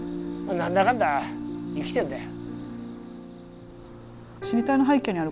何だかんだ生きてんだよ。